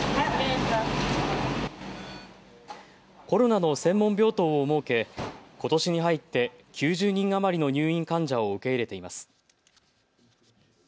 コロナの専門病棟を設けことしに入って９０人余りの入院患者を受け入れています。